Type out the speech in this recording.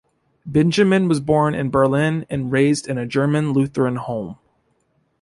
Benjamin was born in Berlin, and raised in a German Lutheran home.